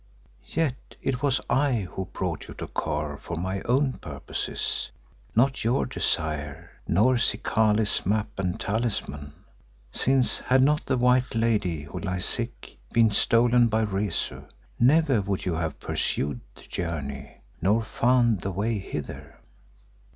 Yet it was I who brought you to Kôr for my own purposes, not your desire, nor Zikali's map and talisman, since had not the white lady who lies sick been stolen by Rezu, never would you have pursued the journey nor found the way hither."